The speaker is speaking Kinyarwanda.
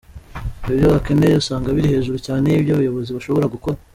Ibyo bakeneye usanga biri hejuru cyane y’ibyo abayobozi bashobora gukora.